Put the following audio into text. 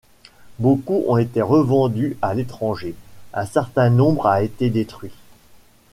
Beaucoup ont été revendues à l'étranger, un certain nombre a été détruit.